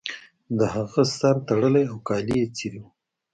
د هغه سر تړلی و او کالي یې څیرې وو